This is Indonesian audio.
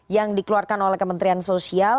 yang dikeluarkan oleh kementerian sosial